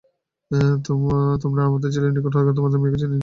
তোমরা আমাদের ছেলের নিকট থেকে তোমাদের মেয়েকে ছিনিয়ে নিয়েছে।